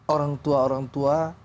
orang tua orang tua